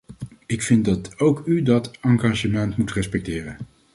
Ik vind dat ook u dat engagement moet respecteren.